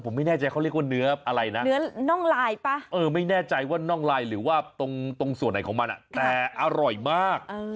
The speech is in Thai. ผมไม่แน่ใจเขาเรียกว่าเนื้ออะไรนะเออไม่แน่ใจว่าน่องไล่หรือว่าตรงส่วนไหนของมันอะแต่อร่อยมาก